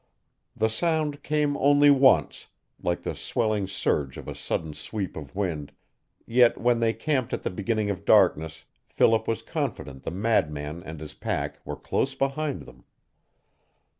The sound came only once, like the swelling surge of a sudden sweep of wind, yet when they camped at the beginning of darkness Philip was confident the madman and his pack were close behind them.